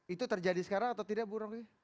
itu terjadi sekarang atau tidak bu rongy